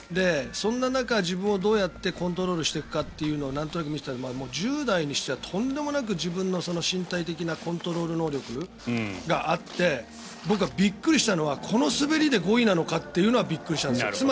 そんな中、自分をどうやってコントロールしていくかっていうのをなんとなく見てたんだけど１０代にしてはとんでもなく自分の身体的なコントロール能力があって僕はびっくりしたのはこの滑りで５位なのかっていうのがびっくりしたんですよ。